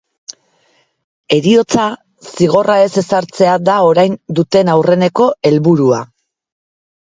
Heriotza zigorra ez ezartzea da orain duten aurreneko helburua.